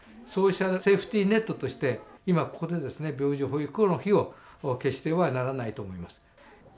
ソーシャルセーフティーネットとして、今、ここで病児保育の火を消してはならないと思います。